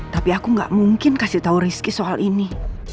tapi aku gak mungkin kasih tahu rizky soal ini